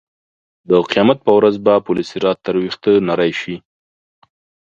د قیامت په ورځ به پل صراط تر وېښته نرۍ شي.